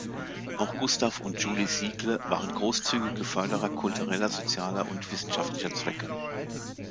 Auch Gustav und Julie Siegle waren großzügige Förderer kultureller, sozialer und wissenschaftlicher Zwecke.